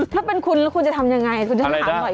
ถ้าเป็นคุณคุณจะทำอย่างไรคุณจะถามหน่อย